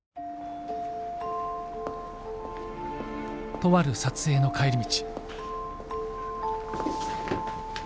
とある撮影の帰り道